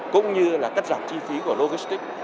cũng như là cắt giảm chi phí của logistic